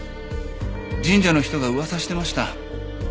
神社の人が噂してました。